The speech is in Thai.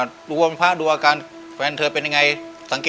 สามีก็ต้องพาเราไปขับรถเล่นดูแลเราเป็นอย่างดีตลอดสี่ปีที่ผ่านมา